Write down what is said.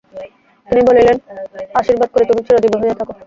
তিনি বলিলেন, আশীর্বাদ করি তুমি চিরজীবী হইয়া থাকো।